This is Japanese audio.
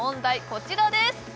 こちらです